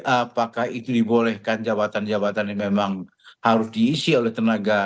apakah itu dibolehkan jabatan jabatan yang memang harus diisi oleh tenaga